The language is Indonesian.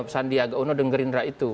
sandiaga uno dan gerindra itu